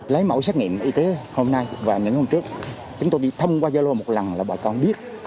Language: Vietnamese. lấy mẫu xét nghiệm y tế hôm nay và những hôm trước chúng tôi đi thông qua gia lô một lần là bà con biết